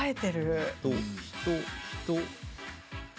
人、人。